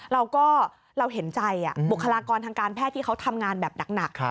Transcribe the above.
เราก็เราเห็นใจบุคลากรทางการแพทย์ที่เขาทำงานแบบหนัก